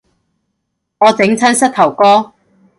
我整親膝頭哥